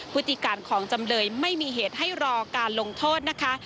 พฤติการของจำเลยไม่มีเหตุให้รอการลงโทษนะคะ